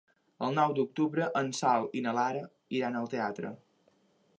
El nou d'octubre en Sol i na Lara iran al teatre.